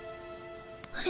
あれ？